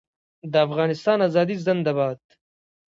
د افغانستان ازادي زنده باد.